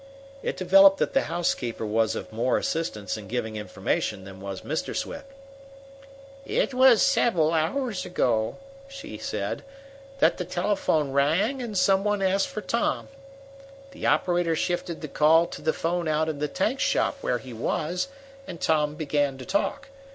It developed that the housekeeper was of more assistance in giving information than was Mr. Swift. "It was several hours ago," she said, "that the telephone rang and some one asked for Tom. The operator shifted the call to the phone out in the tank shop where he was, and Tom began to talk.